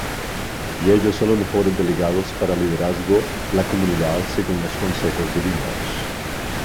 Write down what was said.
Y ellos son los mejores delegados para liderazgo la comunidad según los consejos divinos.